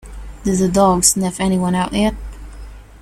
Did the dog sniff anyone out yet?